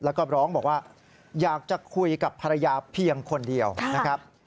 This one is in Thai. แล้วก็ร้องบอกว่าอยากจะคุยกับภรรยาเพียงคนเดียวนะครับ